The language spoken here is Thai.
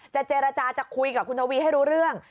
เจรจาจะคุยกับคุณทวีให้รู้เรื่อง